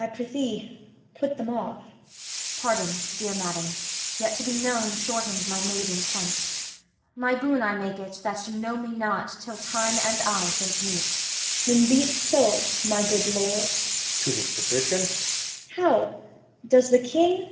I prithee put them off. Kent. Pardon, dear madam. Yet to be known shortens my made intent. My boon I make it that you know me not Till time and I think meet. Cor. Then be't so, my good lord. [To the Doctor] How, does the King?